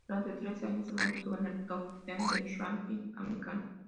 Durante tres años se mantuvo en el "Top Ten" del ranking americano.